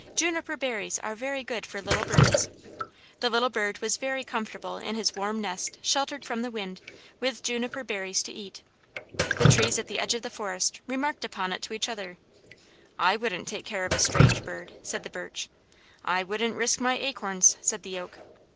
Juniper berries are very good for little birds. The little bird was very comfortable in his warm nest sheltered from the wind, with juniper berries to eat. The trees at the edge of the forest remarked upon it to each other: "I wouldn't take care of a strange bird," said the birch. "I wouldn't risk my acorns," said the oak.